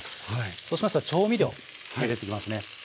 そうしましたら調味料入れてきますね。